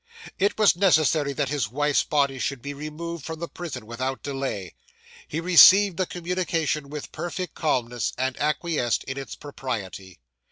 'It was necessary that his wife's body should be removed from the prison, without delay. He received the communication with perfect calmness, and acquiesced in its propriety.